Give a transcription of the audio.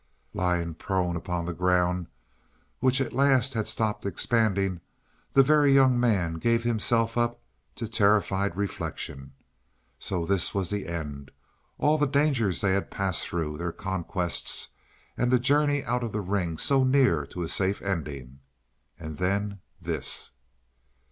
Lying prone upon the ground, which at last had stopped expanding, the Very Young Man gave himself up to terrified reflection. So this was the end all the dangers they had passed through their conquests and the journey out of the ring so near to a safe ending.... And then this!